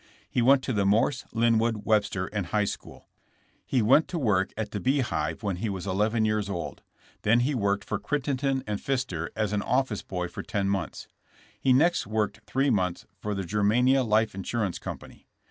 He went to the Morse, Linwood, Webster and High school. He went to work at the Bee Hive when he was eleven years old. Then he worked for Crittenden & Phister as zm office boy for ten months. He next worked three months for the Germania Life Insurance company.